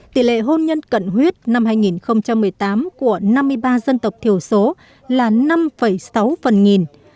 tỷ lệ hôn nhân cận huyết năm hai nghìn một mươi tám của năm mươi ba dân tộc thiểu số là năm sáu phần nghìn